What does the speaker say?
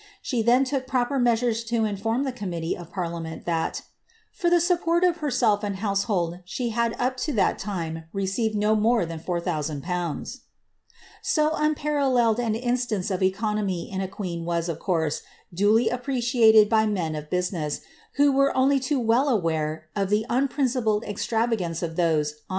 She then took proper measures to inform the committee of parltameDt that, :•;^ for tlie support of herself and household, she had up to that timi received no more than 4000/.'' ' So unparalleled an instance of econamj s in a queen was, of course, duly appreciated by men of business, who :; were only too well aware o( the unprincipled extraTagance of tboiM on